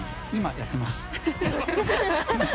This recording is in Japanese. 今、やってます。